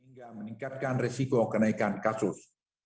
hingga meningkatkan resiko kenaikan kasus